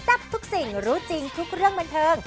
ทับทุกสิ่งรู้จริงทุกเรื่องบันเทิง